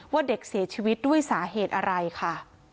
ว่าเด็กเสียชีวิตด้วยสาเหตุอะไรค่ะ